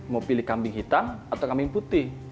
mau pilih kambing hitam atau kambing putih